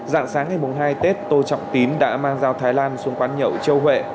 rạng sáng ngày hai hai tết tô trọng tín đã mang giao thái lan xuống quán nhậu châu huệ